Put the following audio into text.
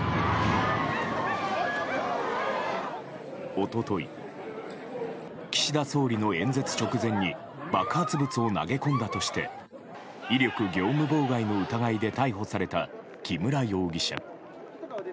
一昨日、岸田総理の演説直前に爆発物を投げ込んだとして威力業務妨害の疑いで逮捕された木村容疑者。